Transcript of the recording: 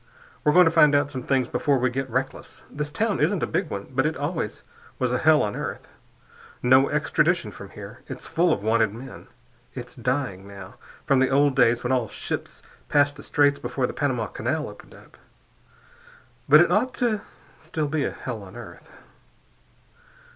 We're going to find out some things before we get reckless. This town isn't a big one, but it always was a hell on earth. No extradition from here. It's full of wanted men. It's dying, now, from the old days when all ships passed the Straits before the Panama Canal opened up, but it ought to be still a hell on earth.